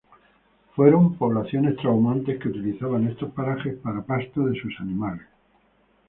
Fueron poblaciones trashumantes que utilizaban estos parajes para pasto de sus animales.